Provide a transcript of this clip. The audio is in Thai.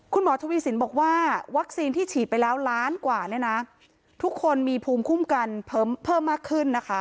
คุณหมอทวีสินบอกว่าวัคซีนที่ฉีดไปแล้วล้านกว่าเนี่ยนะทุกคนมีภูมิคุ้มกันเพิ่มมากขึ้นนะคะ